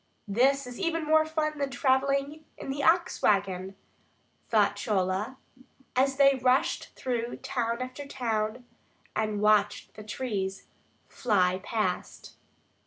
This is even more fun than travelling in the ox wagon, thought Chola, as they rushed through town after town and watched the trees fly past.